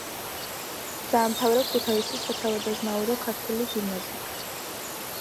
დაამთავრა ქუთაისის სათავადაზნაურო ქართული გიმნაზია.